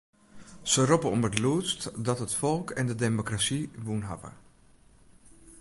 Se roppe om it lûdst dat it folk en de demokrasy wûn hawwe.